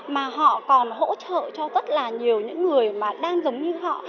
mà họ còn hỗ trợ cho rất là nhiều những người mà đang giống như họ